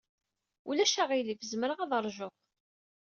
Ulac aɣilif. Zemreɣ ad ṛjuɣ.